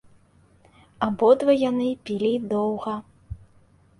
Абодва яны пілі доўга.